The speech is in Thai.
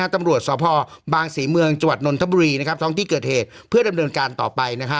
ตำรวจสพบางศรีเมืองจังหวัดนนทบุรีท้องที่เกิดเหตุเพื่อดำเนินการต่อไป